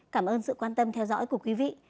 cảm ơn sự quan tâm theo dõi của quý vị